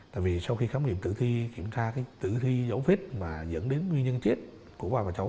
tại vì sau khi khám nghiệm tử thi kiểm tra cái tử thi dấu vết mà dẫn đến nguyên nhân chết của ba bà cháu